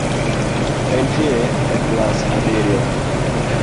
Entie e klas abirio